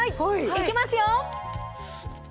いきますよ！